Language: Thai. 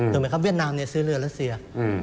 ถูกไหมครับเวียดนามซื้อเรือรัสเซีย